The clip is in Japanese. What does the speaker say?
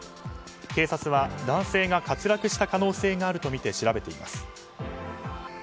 警察は、男性が滑落した可能性があるとみて調べています。